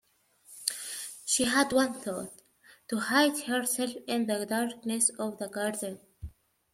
She had one thought — to hide herself in the darkness of the garden.